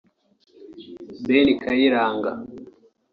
Ben Kayiranga